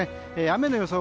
雨の予想